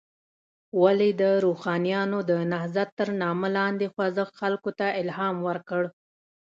ولې د روښانیانو د نهضت تر نامه لاندې خوځښت خلکو ته الهام ورکړ.